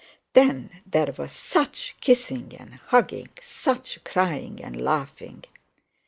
Then there was such kissing and hugging, such crying and laughing.